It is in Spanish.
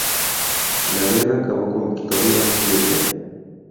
La guerra acabó con victoria etíope.